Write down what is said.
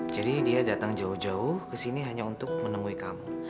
jadi dia datang jauh jauh ke sini hanya untuk menemui kamu